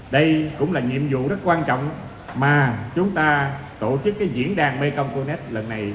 đây cũng là nhiệm vụ rất quan trọng mà chúng ta tổ chức cái diễn đàn mekong connect lần này